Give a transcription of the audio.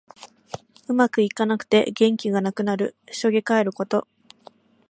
うまくいかなくて元気がなくなる。しょげかえること。